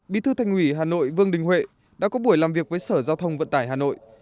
bí thư thành ủy hà nội vương đình huệ đã có buổi làm việc với sở giao thông vận tải hà nội